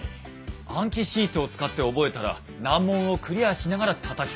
暗記シートを使って覚えたら難問をクリアしながらたたき込む。